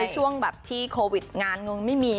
ช่วงแบบที่โควิดงานงงไม่มี